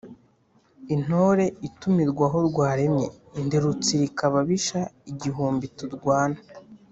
Intore itumirwa aho rwaremye, ndi rutsirika ababisha igihumbi turwana